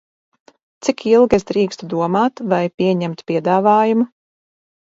Cik ilgi es drīkstu domāt, vai pieņemt piedāvājumu?